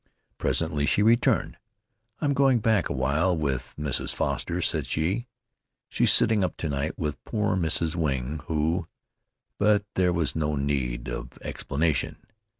Presently she returned. "I'm going back awhile with Mrs. Foster," said she. "She's sitting up to night with poor Mrs. Wing, who " But there was no need of explanation.